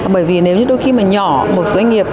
bởi vì nếu như đôi khi mà nhỏ một doanh nghiệp